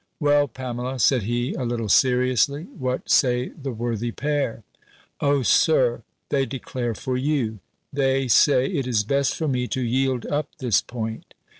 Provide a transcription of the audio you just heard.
"Well, Pamela," said he, a little seriously, "what say the worthy pair?" "O Sir! they declare for you. They say, it is best for me to yield up this point."